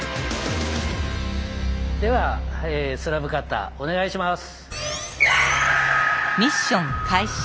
ではスラブカッターお願いします！